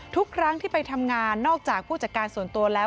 ทุกครั้งที่ไปทำงานนอกจากผู้จัดการส่วนตัวแล้ว